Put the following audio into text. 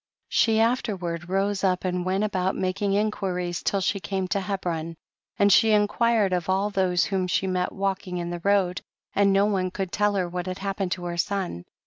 84. She afterward rose up and went about making inquiries till she came to Hebron, and she inquired of all those whom she met walking in the road, and no one could tell her what had happened to her son.